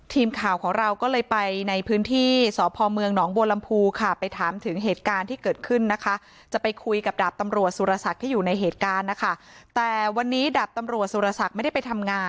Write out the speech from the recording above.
ทีมข่าวของเราก็เลยไปในพื้นที่